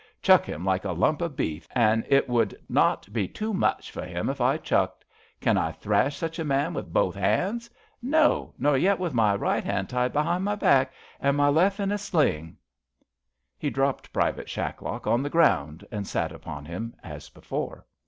Chuck him like a lump o' beef, an' it would not be too much for him if I chucked. Can I thrash such a man with both 'andsf No, nor yet with my right 'and tied behind my back, an' my lef ' in a sling." He dropped Private Shacklock on the ground and sat upon him as before.